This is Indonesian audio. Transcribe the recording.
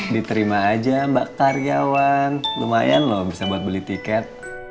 diterima aja mbak karyawan lumayan loh bisa buat beli tiket